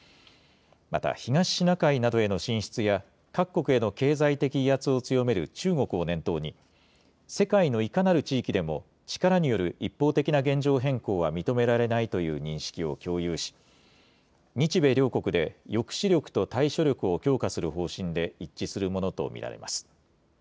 また東シナ海などへの進出や各国への経済的威圧を強める中国を念頭に世界のいかなる地域でも力による一方的な現状変更は認められないという認識を共有し日米両国で抑止力と対処力を強化する方針で一致するものと見られます。